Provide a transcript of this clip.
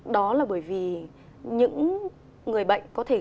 đó là bởi vì những người bệnh có thể